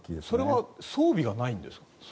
それは装備がないんですか